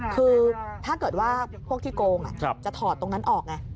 คือถ้าเกิดว่าพวกที่โกงจะถอดตรงนั้นออกไง